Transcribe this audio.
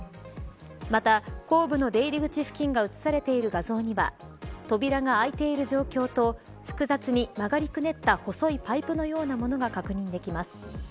また、後部の出入り口付近が写されている画像には扉が開いている状況と複雑に曲がりくねった細いパイプのようなものが確認できます。